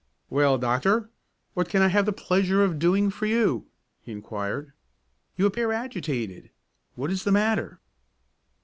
"Well, doctor, what can I have the pleasure of doing for you?" he inquired. "You appear agitated what is the matter?"